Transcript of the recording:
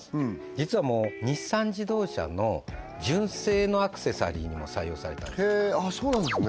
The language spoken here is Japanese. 実はもう日産自動車の純正のアクセサリーにも採用されたんですへえそうなんですね